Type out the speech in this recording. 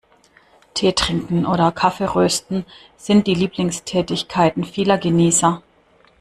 Teetrinken oder Kaffeerösten sind die Lieblingstätigkeiten vieler Genießer.